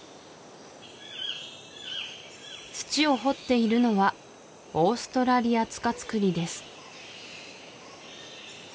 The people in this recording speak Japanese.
土を掘っているのはオーストラリアツカツクリです